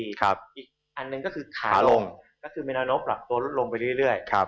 อีกอันหนึ่งก็คือขาลงก็คือมีแนวโน้ปรับตัวลดลงไปเรื่อย